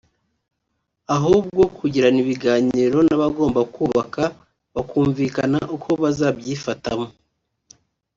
ahubwo kugirana ibiganiro n’abagomba kubaka bakumvikana uko bazabyifatamo